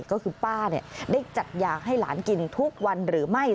ก็คือป้าได้จัดยาให้หลานกินทุกวันหรือไม่